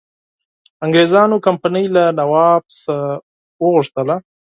انګرېزانو کمپنی له نواب څخه وغوښتل.